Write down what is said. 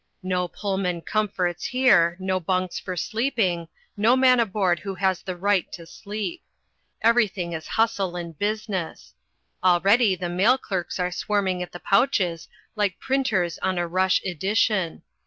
No Pullman comforts here, no bunks for sleeping, no man aboard who has the right to sleep. Everything is hustle and business. Already the mail clerks are swarming at the pouches, like printers on a rush edition.